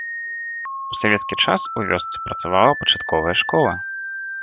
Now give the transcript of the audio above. У савецкі час у вёсцы працавала пачатковая школа.